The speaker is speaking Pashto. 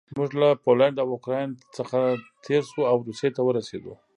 موږ له پولنډ او اوکراین څخه تېر شوو او روسیې ته ورسېدو